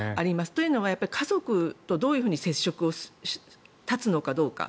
というのはやっぱり家族とどういうふうに接触を断つのかどうか。